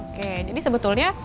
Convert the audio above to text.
oke jadi sebetulnya